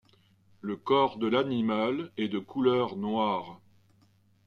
Le corps de l'animal est de couleur noire.